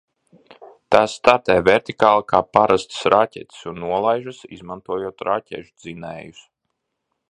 Tās startē vertikāli kā parastas raķetes un nolaižas, izmantojot raķešdzinējus.